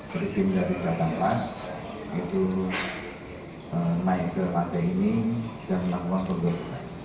berikim dari jatan ras yaitu naik ke pantai ini dan menangguhkan penduduk